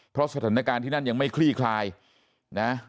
เพราะสถานการณ์ที่นั่นยังไม่คลี่คลายนะ